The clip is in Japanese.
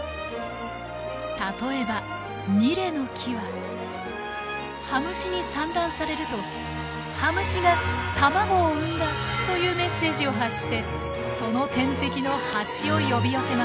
例えばニレの木はハムシに産卵されるとというメッセージを発してその天敵のハチを呼び寄せます。